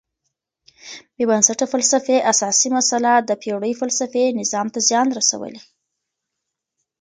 بېبنسټه فلسفي اساسي مسئله د پېړیو فلسفي نظام ته زیان رسولی.